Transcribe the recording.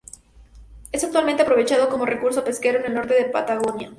Es actualmente aprovechado como recurso pesquero en el norte de la Patagonia.